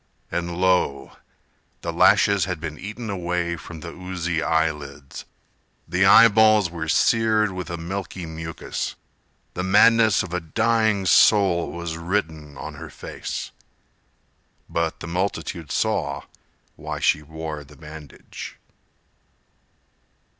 And lo, the lashes had been eaten away From the oozy eye lids; The eye balls were seared with a milky mucus; The madness of a dying soul Was written on her face— But the multitude saw why she wore the bandage."